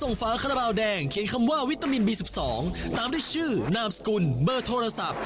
มันเป็นคนข้างไหนสังวัดอะไรมาเรียกยังไม่ได้นะโอ้โหรุ่นมากได้แล้วค่ะ